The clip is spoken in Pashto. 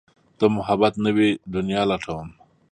د محبت نوې دنيا لټوم